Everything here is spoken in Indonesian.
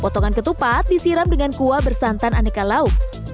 potongan ketupat disiram dengan kuah bersantan aneka lauk